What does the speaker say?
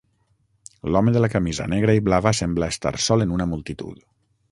L'home de la camisa negra i blava sembla estar sol en una multitud.